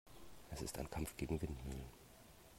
Es ist ein Kampf gegen Windmühlen.